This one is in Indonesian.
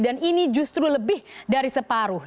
dan ini justru lebih dari separuh